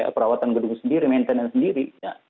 perawatan gedung sendiri maintenance sendiri